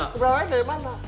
kebenarannya dari mana